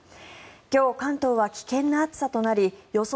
今日、関東は危険な暑さとなり予想